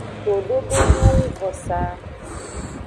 Tododo nyo wu vosaa.